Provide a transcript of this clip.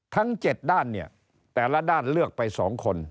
ทั้ง๗ด้านเนี่ยแต่ละด้านเลือกไป๒คน